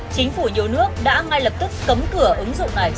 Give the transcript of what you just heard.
chính phủ nhiều nước đã ngay lập tức cấm cửa ứng dụng này